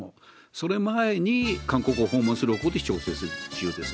その前に韓国を訪問する方向で調整中です。